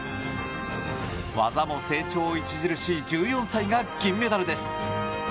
技も成長著しい１４歳が銀メダルです。